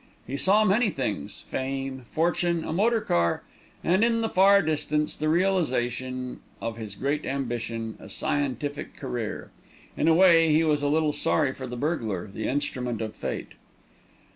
He saw many things: fame, fortune, a motor car, and, in the far distance, the realisation of his great ambition, a scientific career. In a way he was a little sorry for the burglar, the instrument of fate.